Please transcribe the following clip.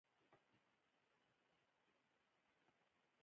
• لمر د ګرمۍ لپاره اصلي سرچینه ده.